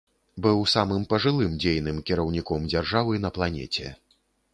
Быў самым пажылым дзейным кіраўніком дзяржавы на планеце.